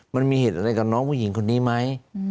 มันมีเหตุอะไรกับน้องผู้หญิงคนนี้ไหม